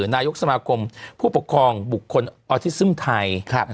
นายกสมาคมผู้ปกครองบุคคลออทิซึมไทย